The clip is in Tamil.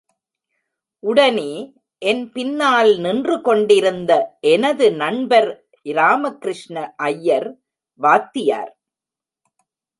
உடனே என் பின்னால் நின்று கொண்டிருந்த எனது நண்பர் ராம கிருஷ்ண ஐயர், வாத்தியார்!